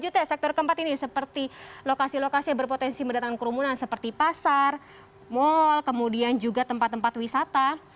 itu ya sektor keempat ini seperti lokasi lokasi berpotensi mendatang ke rumah seperti pasar mal kemudian juga tempat tempat wisata